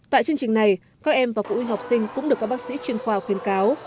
tại chương trình này các em và phụ huynh học sinh cũng được các bác sĩ chuyên khoa khuyên cáo